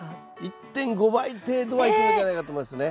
１．５倍程度はいくんじゃないかと思いますね。